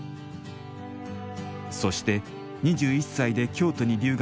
そして２１歳で京都に留学。